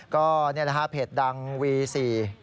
ก็เฟสดังวี๔